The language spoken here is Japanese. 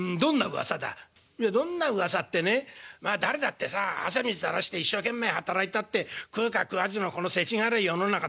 「いやどんな噂ってねまあ誰だってさあ汗水たらして一生懸命働いたって食うか食わずのこのせちがらい世の中だよ。